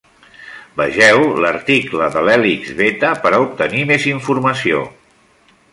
Vegeu l’article de l’hèlix beta per a obtenir més informació.